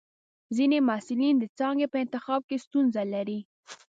ځینې محصلین د څانګې په انتخاب کې ستونزه لري.